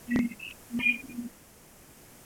网檐南星是天南星科天南星属的植物。